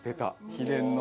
秘伝の。